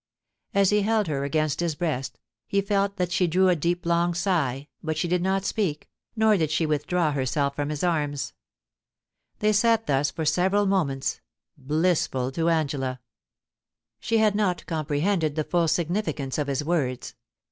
As he held her against his breast, he felt that she drew a deep long sigh, but she did not speak, nor did she withdraw herself from his arms. They sat thus for several moments — blissful to Angela. 212 POUCY AND PASSION, She had not comprehended the full significance of his words.